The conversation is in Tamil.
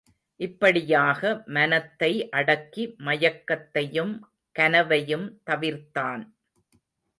இப்படியாக மனத்தை அடக்கி மயக்கத்தையும் கனவையும் தவிர்த்தான்.